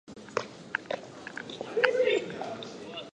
勘太郎が落ちるときに、おれの袷の片袖がもげて、急に手が自由になつた。